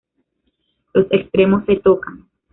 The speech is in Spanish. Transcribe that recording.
Los extremos se tocan